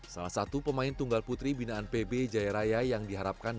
salah satu pemain tunggal putri binaan pb jaya raya yang diharapkan